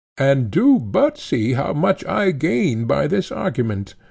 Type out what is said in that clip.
And do but see how much I gain by the argument.